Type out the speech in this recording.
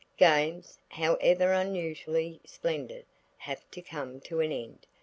Games, however unusually splendid, have to come to an end.